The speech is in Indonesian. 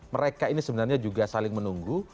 mereka ini sebenarnya juga saling menunggu